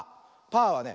パーはね